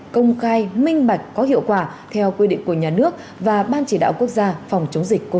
công khai minh bạch có hiệu quả theo quy định của nhà nước và ban chỉ đạo quốc gia phòng chống dịch covid một mươi chín